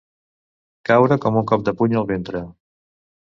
Caure com un cop de puny al ventre.